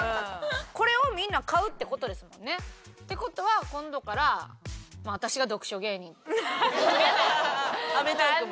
これをみんな買うって事ですもんね？って事は今度から『アメトーーク！』も。